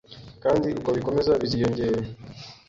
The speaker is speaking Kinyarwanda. kandi uko bikomeza biziyongere